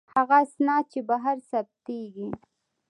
هغه اسناد چې بهر ثبتیږي.